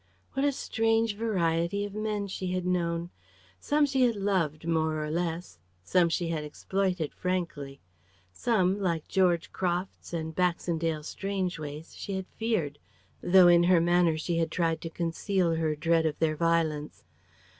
What a strange variety of men she had known. Some she had loved, more or less; some she had exploited frankly. Some like George Crofts and Baxendale Strangeways she had feared, though in her manner she had tried to conceal her dread of their violence.